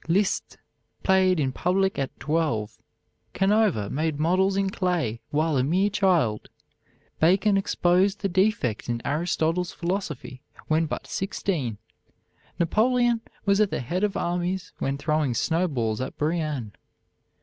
Liszt played in public at twelve. Canova made models in clay while a mere child. Bacon exposed the defects of Aristotle's philosophy when but sixteen. Napoleon was at the head of armies when throwing snowballs at Brienne.